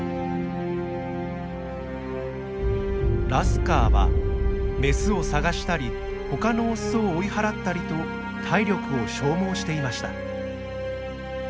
ラスカーはメスを探したり他のオスを追い払ったりと体力を消耗していました。